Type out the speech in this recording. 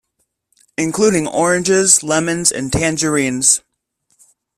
Including oranges, lemons, and tangerines.